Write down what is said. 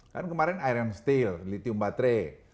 kan kemarin iron steel lithium baterai